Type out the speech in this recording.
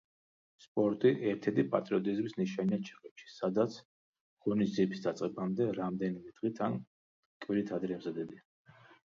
სპორტი ერთ-ერთ პატრიოტიზმის ნიშანია ჩეხეთში, სადაც ღონისძიების დაწყებამდე რამდენიმე დღით ან კვირით ადრე ემზადებიან.